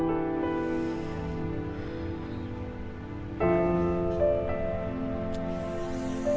akan terjadi sesuatu